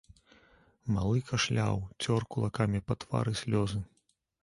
Малы кашляў, цёр кулакамі па твары слёзы.